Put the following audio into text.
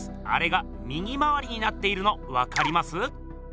あれが右回りになっているのわかります？